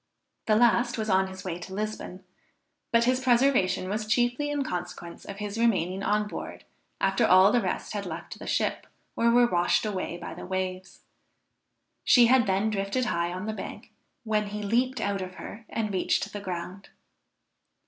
The last was on his way to Lisbon; but his preservation was chiefly in consequence of his remaining on board after all the rest had left the ship, or were washed away by the waves. She had then drifted high on the bank, when he leaped out of her and reached the ground.